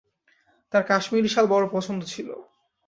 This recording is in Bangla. তাঁর কাশ্মীরী শাল বড় পছন্দ ছিল।